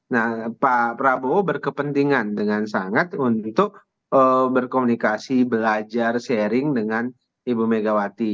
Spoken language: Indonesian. nah pak prabowo berkepentingan dengan sangat untuk berkomunikasi belajar sharing dengan ibu megawati